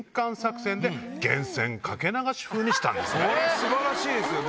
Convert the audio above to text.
素晴らしいですよね。